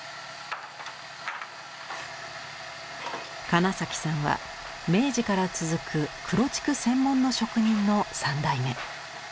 金さんは明治から続く黒竹専門の職人の三代目。